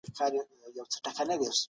د خپلو فکري خامیو د سمولو لپاره هڅه وکړئ.